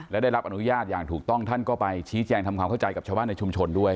และได้รับอนุญาตอย่างถูกต้องท่านก็ไปชี้แจงทำความเข้าใจกับชาวบ้านในชุมชนด้วย